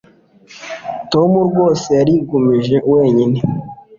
Tom rwose yarigumije wenyine.